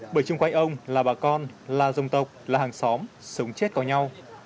bởi chung quanh ông là bà con là dòng tộc là hàng xóm sống chết có nhau